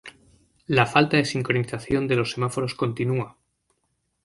La falta de sincronización de los semáforos continúa.